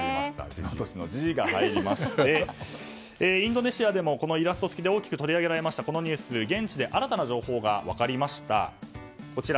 地元紙の「ジ」が入りましてインドネシアでもイラスト付きで大きく取り上げられたこのニュース、現地で新たな情報が分かりました。